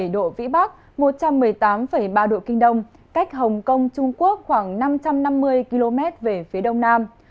một mươi độ vĩ bắc một trăm một mươi tám ba độ kinh đông cách hồng kông trung quốc khoảng năm trăm năm mươi km về phía đông nam